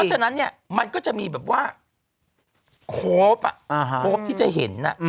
ฉะนั้นเนี่ยมันก็จะมีแบบว่าโฮปโฮปที่จะเห็น